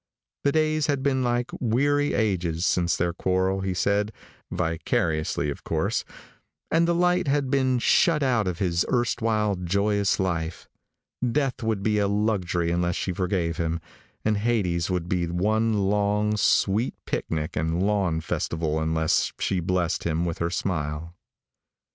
The days had been like weary ages since their quarrel, he said vicariously, of course and the light had been shut out of his erstwhile joyous life. Death would be a luxury unless she forgave him, and Hades would be one long, sweet picnic and lawn festival unless she blessed him with her smile.